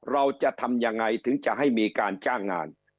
เราจะทำยังไงถึงจะให้มีการจ้างงาน